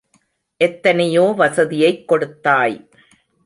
எத்தனையோ வசதியைக் கொடுத்தாய்!